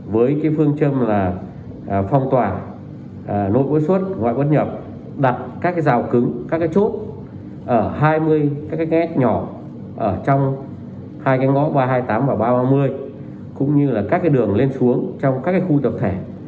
với phương châm là phong tỏa nội quốc xuất ngoại quốc nhập